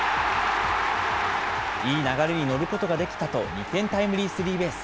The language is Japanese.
いい流れに乗ることができたと２点タイムリースリーベース。